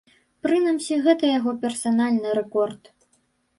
Прынамсі, гэта яго персанальны рэкорд.